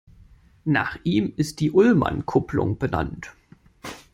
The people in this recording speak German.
Nach ihm ist die Ullmann-Kupplung benannt.